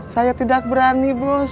saya tidak berani bos